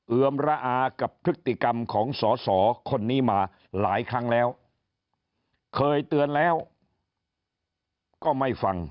เอือมระอากับพฤติกรรมของสอสอคนนี้มาหลายครั้งแล้วเคยเตือนแล้วก็ไม่ฟัง